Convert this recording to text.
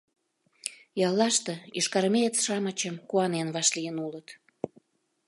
Яллаште йошкарармеец-шамычым куанен вашлийын улыт.